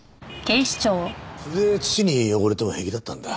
それで土に汚れても平気だったんだ。